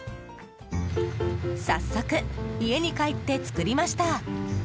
早速、家に帰って作りました。